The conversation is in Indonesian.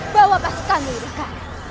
bawa pasukanmu yudhaka